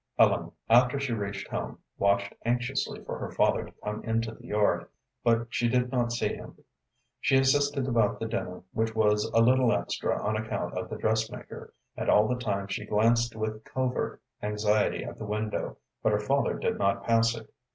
Ellen, after she reached home, watched anxiously for her father to come into the yard, but she did not see him. She assisted about the dinner, which was a little extra on account of the dressmaker, and all the time she glanced with covert anxiety at the window, but her father did not pass it.